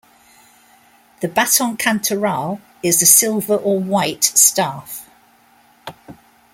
This "baton cantoral" is a silver or white staff.